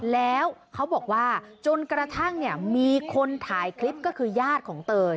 แล้วเขาบอกว่าจนกระทั่งเนี่ยมีคนถ่ายคลิปก็คือญาติของเตย